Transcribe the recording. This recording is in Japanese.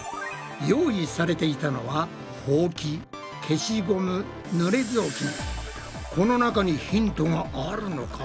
用意されていたのはこの中にヒントがあるのか？